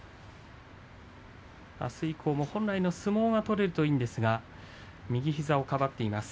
あす以降も本来の相撲が取れるといいんですが右膝をかばっています。